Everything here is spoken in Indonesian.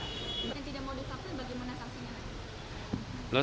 yang tidak mau divaksin bagaimana vaksinnya